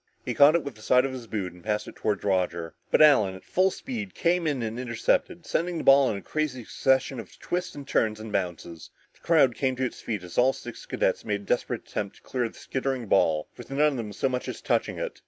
He caught it with the side of his boot and passed it toward Roger. But Allen, at full speed, came in and intercepted, sending the ball in a crazy succession of twists, turns and bounces. The crowd came to its feet as all six cadets made desperate attempts to clear the skittering ball with none of them so much as touching it.